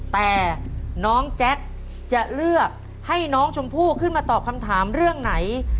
แต่น้องแจ็คจะเลือกให้น้องชมพู่ขึ้นมาตอบคำถามเรื่องไหน